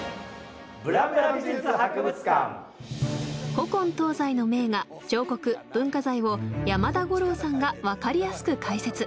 古今東西の名画彫刻文化財を山田五郎さんが分かりやすく解説！